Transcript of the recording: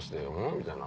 みたいな。